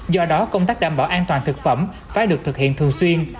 do đó công tác đảm bảo an toàn thực phẩm phải được thực hiện thường xuyên